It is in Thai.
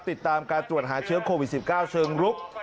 ติดตามการตรวจหาเชื้อโควิด๑๙เชิงรุก